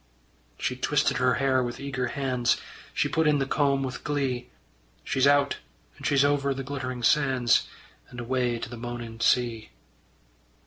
She twisted her hair with eager hands, She put in the comb with glee: She's out and she's over the glittering sands, And away to the moaning sea.